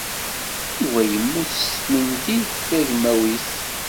Yuba yemmut s tmentilt tagmawit.